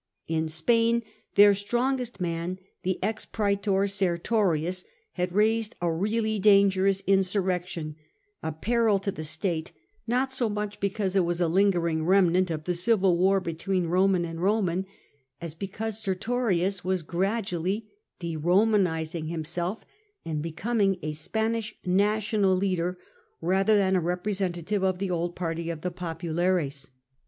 In Spain their strongest man, the ex praetor Sertorius, had raised a really dangerous insurrection — a peril to the state, not so much because it was a lingering remnant of the civil war CRASSUS 164 between Roman and Roman, as because Sertorius was gradually de Romanising himself, and becoming a Spanish national leader rather than a representative of the old party of the fo; pulares.